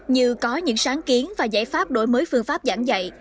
như có những sáng kiến và giải pháp đổi mới phương pháp giảng dạy